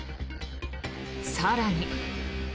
更に。